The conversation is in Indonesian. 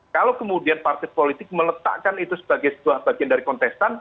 kalau kemudian partai politik meletakkan itu sebagai sebuah bagian dari kontestan